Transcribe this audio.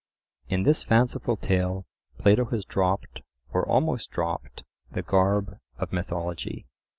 In this fanciful tale Plato has dropped, or almost dropped, the garb of mythology.